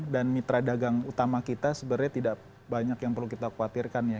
dan mitra dagang utama kita sebenarnya tidak banyak yang perlu kita khawatirkan ya